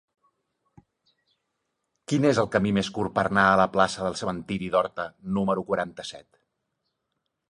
Quin és el camí més curt per anar a la plaça del Cementiri d'Horta número quaranta-set?